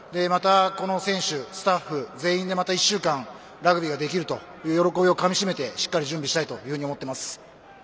また、この選手、スタッフ全員でまた１週間ラグビーができる喜びをかみしめてしっかり準備したいと思います。